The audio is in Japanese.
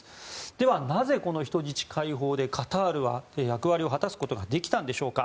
では、なぜ人質解放でカタールは役割を果たすことができたんでしょうか。